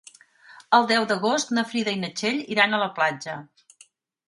El deu d'agost na Frida i na Txell iran a la platja.